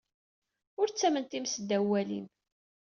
Ur ttamen times ddaw n walim.